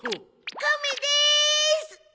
カメです。